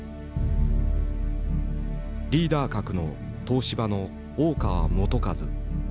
リーダー格の東芝の大川元一。